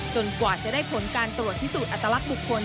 กว่าจะได้ผลการตรวจพิสูจน์อัตลักษณ์บุคคล